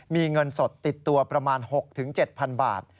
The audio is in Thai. มีเงินสดติดตัวประมาณ๖๗๐๐บาท